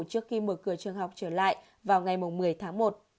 trước khi mở cửa trường học trở lại vào ngày một mươi tháng một